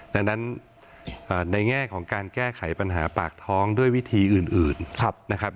ดังนั้นในแง่ของการแก้ไขปัญหาปากท้องด้วยวิธีอื่นนะครับ